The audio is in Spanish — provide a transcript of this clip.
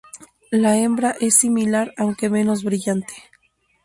La hembra es similar aunque menos brillante.